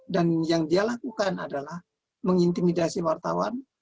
dan yang dia lakukan adalah mengintimidasi wartawan